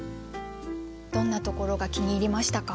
どんなところが気に入りましたか？